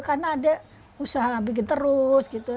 karena dia usaha bikin terus gitu